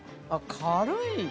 ◆軽い！